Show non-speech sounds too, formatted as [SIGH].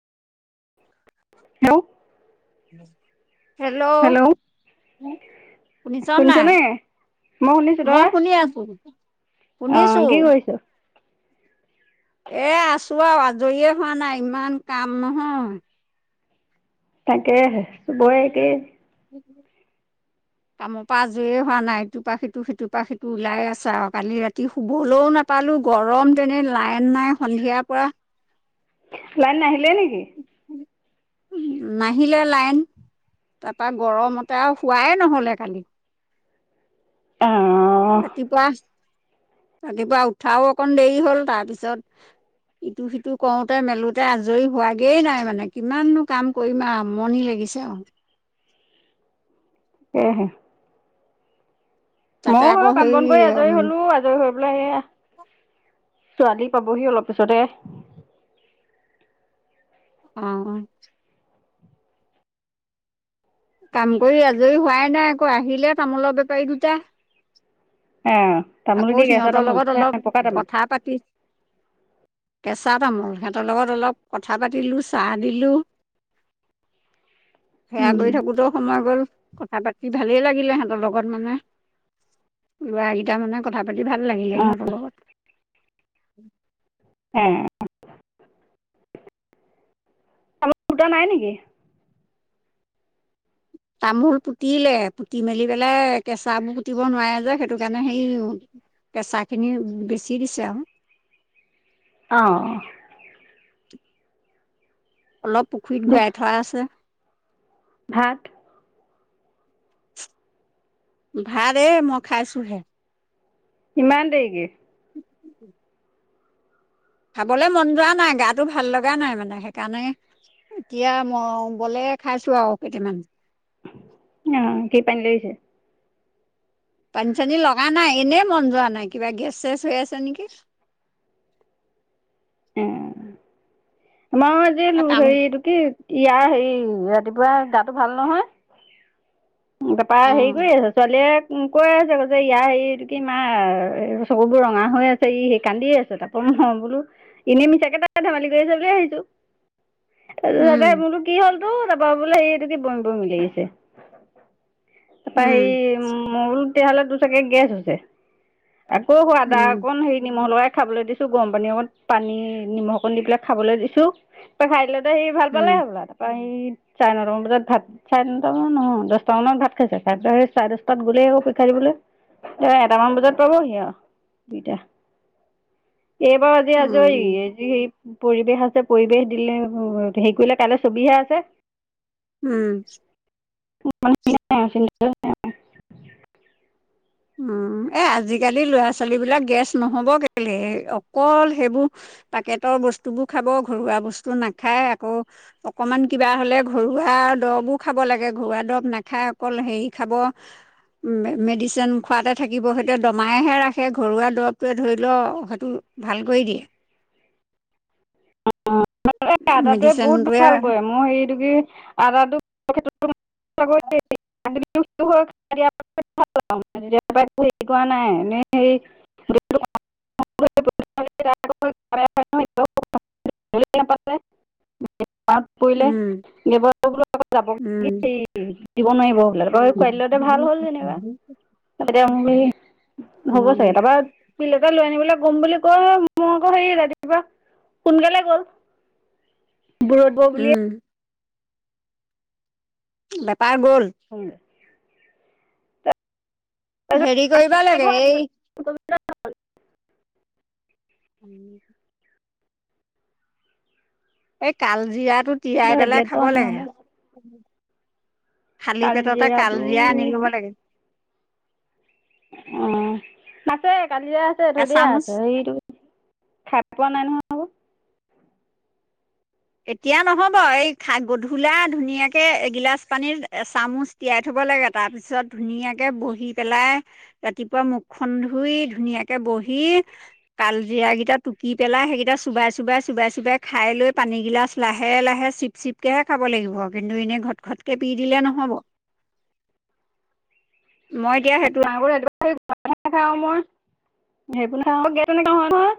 Hello hello শুনিছা নে নাই? শুনিছনে? শুনিছো মই তই শুনি আছো। শুনিছো অ' কি কৰিছে? এ আছো আৰু আজৰিয়ে হোৱা নাই ইমান কাম নহয়। তাকেহে, গুৱাহাটীত [INAUDIBLE] কামৰ পৰা আজৰিয়ে হোৱা নাই ইটোৰ পৰা সিটো সিটোৰ পৰা সিটো ওলাইে আছে আৰু কালি ৰাতি শুবলৈও নাপালো গৰম তেনে লাইন নাই সন্ধিয়াৰ পৰা লাইন নাহিলে নেকি নাহিলে লাইন তাৰপা গৰমতে আৰু শুৱাই নহলে খালি অ' ৰাতিপুৱা ৰাতিপুৱা উঠাও অকন দেৰি হ'ল তাৰপিছত ইটো সিটো কৰোতে মেলোতে আজৰি হোৱাগেই নাই মানে কিমাননো কাম কৰিম আৰু আমনি লাগে পিছে অ আহহে তাতে ময়ো হ আকৌ কাম হেৰি বন কৰি আজৰি হলো আজৰি হৈ পেলাই এয়া ছোৱালী পাবহি অলপ পিছতে অ কাম কৰি আজৰি হোৱাই নাই আকৌ আহিলে তামোলৰ বেপাৰী দুটা এ তামোল আকৌ কি কেঁচা সিহঁতৰ তামোল লগত নে অলপ পকা তামোল? কথা পাতি কেঁচা তামোল সিহঁতৰ লগত অলপ কথা পাতিলো চাহ দিলো সেয়া উম কৰি থাকোতেো সময় গল কথা পাতি ভালেই লাগিলে হেঁ সিহঁতৰ লগত মানে ল'ৰা কেইটা মানে কথা পাতি ভাল লাগিলে অ' সিহঁতৰ লগত উম হ আমাৰ গুটা নাই নেকি তামোল পুতিলে পুতি মেলি পেলাই কেঁচাবোৰ পুতিব নোৱাৰে যে সেইটো কাৰণে হেৰি কেঁচা খিনি বেচি দিছে আৰু অঁ অলপ পুখুৰীত গূৰাাই থোৱা আছে ভাত উঠাৰে মই খাইছোহে ইমান দেৰিকে [UNINTELLIGIBLE] খাবলৈ মন যোৱা নাই গাটো ভাল লগা নাই মানে সেইকাৰণে এতিয়া ম বলে খাইছো আৰু কেইটামান অ কি পন লৈিছে পানী চানী লগা নাই এনেই মন যোৱা নাই কিবা গেছ চেছ হৈ আছে নেকি [UNINTELLIGIBLE] আমাৰ যে কাম হেৰি এইটো কি ইয়াৰ হেৰি ৰাতিপুৱা গাটো ভাল নহয় তাৰাপা অ হেৰি কৰি আছ ছোৱালীয়ে উ কৈ আছছে আৌ যে ইয়া এইটো কি মা চকুবোৰ ৰঙা হৈ আছে ই সেই কান্দি আছে তাৰপ অ বোলো এনেই মিছাকে তাকে ধেমালি কৰি আছে বুলিিয় ভাবিছো ত উম মোৰতো কি হ'ল তো তাৰপৰা বোলে হে এইটো কি বমি বমি লাগিছে তাৰপৰা উম হেৰি মই বুলো তেতিয়াহ'লে তোৰ চাগে গেছ হৈছে আকৌ সোৱাদা উম অণ হেৰি নিমখ লগাই খাবলৈ দিছো গৰম পানী অকত পানী নিমখ অকণ দি পেলাই খাবলৈ দিছো ত খাই ল সি ভাল উম পালে হে বোলা তাৰপা চাৰে নটাামান বজাত ভাত চাৰে নটা মান ন দহটা মানত ভাত খাইছে খাই চাৰে দহটাত গলে আকৌ শি খাই এ এটামান বজাত পাব হি আও দিয়া এইবাৰ আজি আজৰি উম এই পৰিৱেশ আছে পৰিৱেশ দিলে হেৰি কৰিলে কাইলৈ ছবিহে আছে উম নন্ধ ন উম এ আজি িকালি ল'ৰা ছোৱালী বিলাক গেছ নহ'ব কেলে অকল সেইবোৰ পেকেটৰ বস্তুবোৰ খাব ঘৰুৱা বস্তু নাখায় আকৌ অকমান কিবা হ'লে ঘৰুৱা দৰবো খাব লাগে খোৱা দৰৱ নাখায় অকল হেৰি খাব মেডিচিন। খোৱাতে থাকিব সেইটো দমাইহে ৰাখে ঘৰুৱা দৰৱটোৱে ধৰি ল সটো ভাল কৰি দিয়ে। অ' আদাটোৱে বহুত মেডিচিনটোৱে ভাল কৰে মোৰ হেৰিটো কি আদাটো [INAUDIBLE] [UNINTELLIGIBLE] হেৰি কৰা নাই [UNINTELLIGIBLE] [INAUDIBLE] পৰিলে [UNINTELLIGIBLE] উম দিব নোৱাৰিব। উম খোৱাইদিলতে ভাল হ'ল যেনিবা অ হ'ব চাগে তাপা পিল এটা লৈ আনিবলৈ। শুম বুলি কৈ মই আকৌ হেৰি ৰাতিপুৱা সোনকালে গ'ল। বুৰত বৌ বুলিয়ে। উম বেপাৰ গ'ল। বুলিয়ে হেৰি কৰিব লাগে এই। [INAUDIBLE] এই কালজিৰাটো তিয়াই পেলাই টেবলেটটো খাব আন নহ'লে লাগে। খালি পেটতে কাল কালজিৰাটো জিৰা আনি ল'ব লাগে। অ', নাতেক। কালিয়ে আছে এধদিয়ে এচামুচ আছে এইটো খাই পোৱা নাই নহয়। এতিয়া নহ'ব এই খা গধূলা ধুনীয়াকে এগিলাচ পানীত এচামুচ তিয়াই থব। দিব লাগে তাৰ পিছত ধুনীয়াকে বহি পেলাই ৰাতিপুৱা মুখখন ধুই ধুনীয়াকে বহ বহি কালজিৰা কেইটা টুকি পেলাই সেইকেইটা চোবাই, চোবাই, চোবাই, চোবাই খাই লৈ। পানীগিলাচ লাহে, লাহে চিপ, চিপকেহে খাব লাগিব। কিন্তু এনেই ঘটঘটকে পি দিলে নহ'ব। মই এতিয়া সেইটো। [INAUDIBLE]